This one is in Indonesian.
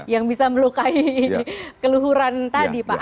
yang bisa melukai keluhuran tadi pak